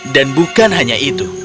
dan bukan hanya itu